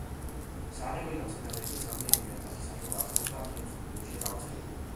სარეველა მცენარეების რამდენიმე ათასი სახეობა არსებობს და მთელ მსოფლიოშია გავრცელებული.